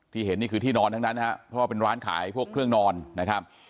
เห็นนี่คือที่นอนทั้งนั้นนะครับเพราะว่าเป็นร้านขายพวกเครื่องนอนนะครับ